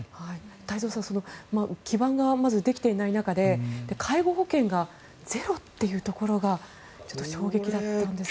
太蔵さん基盤がまずできていない中で介護保険がゼロというところがちょっと衝撃だったんですが。